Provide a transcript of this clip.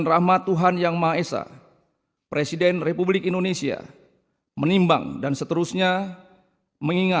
raya kebangsaan indonesia raya